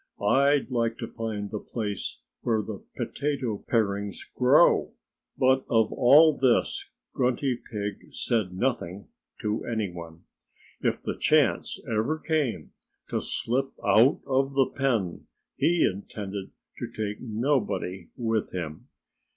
"I'd like to find the place where the potato parings grow." But of all this, Grunty Pig said nothing to anyone. If the chance ever came to slip out of the pen, he intended to take nobody with him.